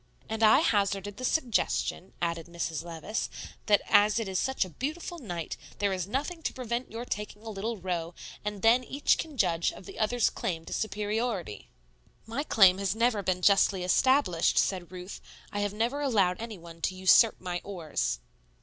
"And I hazarded the suggestion," added Mrs. Levice, "that as it is such a beautiful night, there is nothing to prevent your taking a little row, and then each can judge of the other's claim to superiority?" "My claim has never been justly established," said Ruth. "I have never allowed any one to usurp my oars."